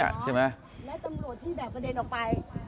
และตำรวจที่แบบเกงออกไป